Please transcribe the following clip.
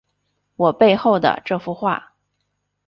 我背后的这幅画